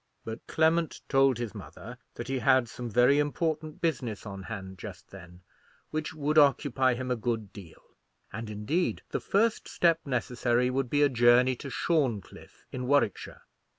But Clement told his mother that he had some very important business on hand just then, which would occupy him a good deal; and indeed the first step necessary would be a journey to Shorncliffe, in Warwickshire.